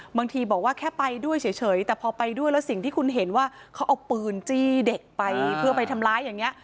บางทีบอกว่าแค่ไปด้วยเฉยแต่พอไปด้วยแล้วสิ่งที่คุณเห็นว่าเขาเอาปืนจี้เด็กไปเพื่อไปทำร้ายอย่างนี้